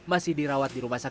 masih dirawat di rumah sakit